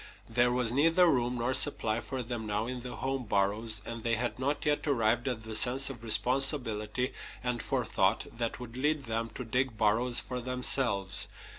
There was neither room nor supply for them now in the home burrows, and they had not yet arrived at the sense of responsibility and forethought that would lead them to dig burrows for themselves.